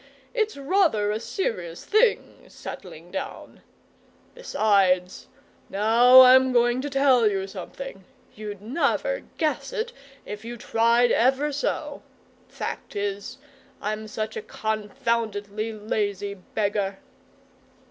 It's rather a serious thing, settling down. Besides now I'm going to tell you something! You'd never guess it if you tried ever so! fact is, I'm such a confoundedly lazy beggar!"